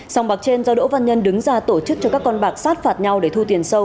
sòng bạc trên do đỗ văn nhân đứng ra tổ chức cho các con bạc sát phạt nhau để thu tiền sâu